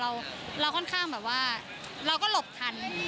เราค่อนข้างแบบว่าเราก็หลบทัน